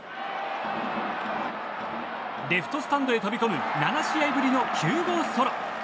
レフトスタンドへ飛び込む７試合ぶりの９号ソロ。